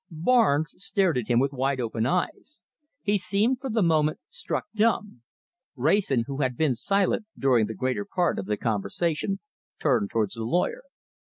Barnes stared at him with wide open eyes. He seemed, for the moment, struck dumb. Wrayson, who had been silent during the greater part of the conversation, turned towards the lawyer.